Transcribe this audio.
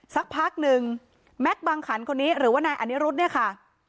สักพักหนึ่งแม็กซ์บางขันคนนี้หรือว่านายอนิรุธเนี่ยค่ะ